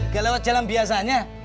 gak lewat jalan biasanya